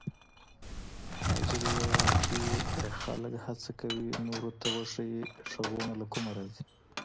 نایجیریا کې خلک هڅه کوي نورو ته وښيي غږونه له کومه راځي.